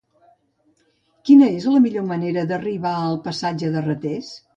Quina és la millor manera d'arribar al passatge de Ratés?